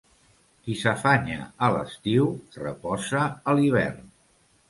Qui s'afanya a l'estiu reposa a l'hivern.